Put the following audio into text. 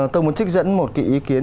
tôi muốn trích dẫn một kỳ ý kiến